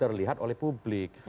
terlihat oleh publik